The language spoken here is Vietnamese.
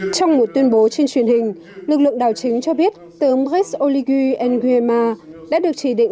trong một tuyên bố trên truyền hình lực lượng đảo chính cho biết tướng brice oligu nguema đã được chỉ định